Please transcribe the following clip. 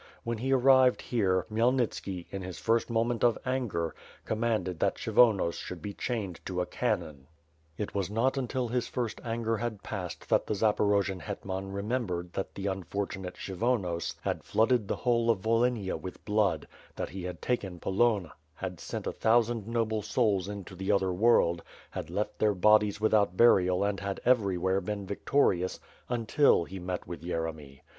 When he arrived here, Khmyelnitski, in his first moment of anger, commanded that Kshyvonos should be chained to a cannon. 398 WITH FIRE AND SWORD. 399 It was not until his first anger had passed that the Zaporo jian hetman remembered that the unfortunate Kshyvonos had flooded the whole of Volhynia with blood; that he had taken Polonne; had sent a thousand noble souls into the other world; had left their bodies without burial and had every where been victorious, until he met with Yeremy.